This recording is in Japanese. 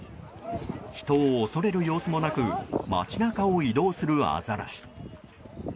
人を恐れる様子もなく街中を移動するアザラシ。